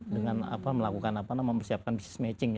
dengan mempersiapkan business matching